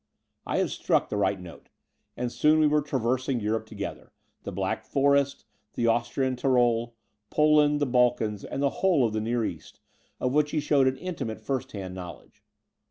I had struck the right note; and soon we were traversing Europe together — the Black Forest, the Austrian Tyrol, Poland, the Balkans, and the whole of the Near East, of which he showed an intimate first hand knowledge.